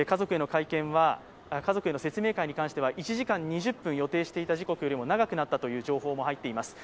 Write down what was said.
家族への説明会に関しては１時間２０分、予定していた時刻よりも長くなったという情報も入っています。